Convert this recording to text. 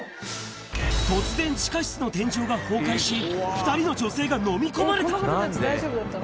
突然、地下室の天井が崩壊し、２人の女性が飲み込まれた。